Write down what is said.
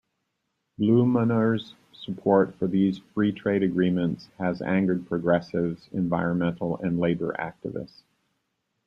Blumenauer's support for these free trade agreements has angered progressives, environmental and labor activists.